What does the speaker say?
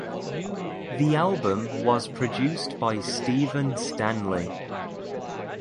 The album was produced by Steven Stanley.